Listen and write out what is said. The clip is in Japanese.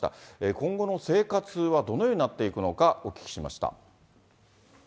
今後の生活はどのようになっていくのか、お聞きしました。